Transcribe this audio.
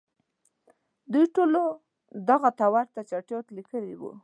دوی ټولو دغه ته ورته چټیاټ لیکلي وو.